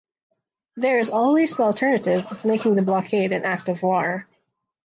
There is always the alternative of making the blockade an act of war.